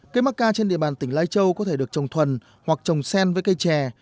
cây macca trên địa bàn tỉnh lai châu có thể được trồng thuần hoặc trồng sen với cây trè